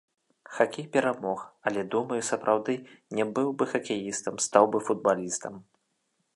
Хакей перамог, але думаю, сапраўды, не быў бы хакеістам, стаў бы футбалістам.